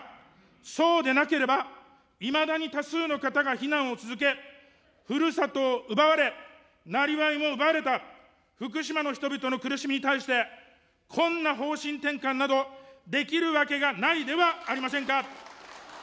そうでなければいまだに多数の方が避難を続け、ふるさとを奪われ、生業も奪われた、福島の人々の苦しみに対して、こんな方針転換などできるわけがないではありませんか。